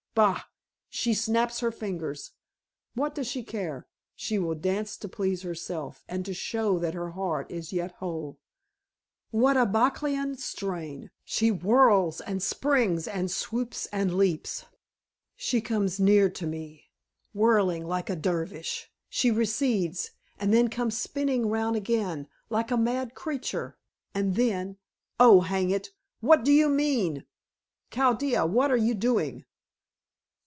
Bah! She snaps her fingers. What does she care! She will dance to please herself, and to show that her heart is yet whole. What a Bacchanalian strain. She whirls and springs and swoops and leaps. She comes near to me, whirling like a Dervish; she recedes, and then comes spinning round again, like a mad creature. And then oh, hang it! What do you mean? Chaldea, what are you doing?"